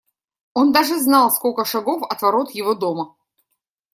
Он даже знал, сколько шагов от ворот его дома.